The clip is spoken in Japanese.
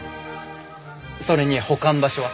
それに保管場所は？